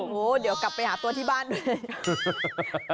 โอ้โหเดี๋ยวกลับไปหาตัวที่บ้านเลย